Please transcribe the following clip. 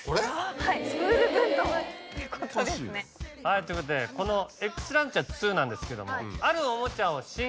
はいということでこのＸランチャー２なんですけど。